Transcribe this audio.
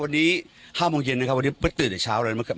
วันนี้ห้าโมงเย็นนะครับวันนี้ไม่ตื่นแต่เช้าแล้วนะครับ